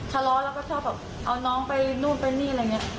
ทาระแล้วก็ชอบแบบเอาน้องไปนู่นแต่นี่อะไรอย่างเงี้ย